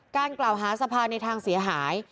การกล่าวหาสภาในทางเสียหาย